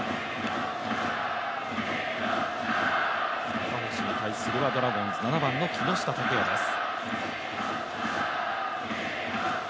赤星に対するはドラゴンズ、７番の木下拓哉です。